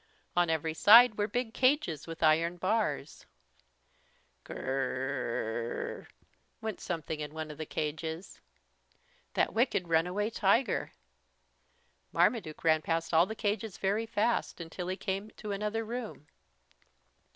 On every side were big cages with iron bars. "Girrrrrrrrrrrhhh!" went something in one of the cages. That wicked runaway tiger! Marmaduke ran past all the cages very fast until he came to another room.